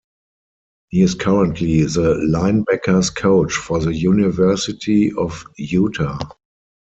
He is currently the Linebackers coach for the University of Utah.